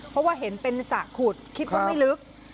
เพราะว่าเห็นเป็นสระขุดคิดว่าไม่ลึก